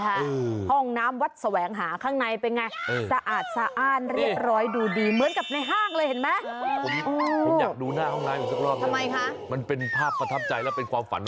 ห้องน้ำวัดแหวงหาข้างในเป็นไงสะอาดเรียบร้อยดูดีเหมือนกับในห้างเลยเห็นมั้ย